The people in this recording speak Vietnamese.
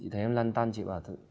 thấy em lăn tăn chị bảo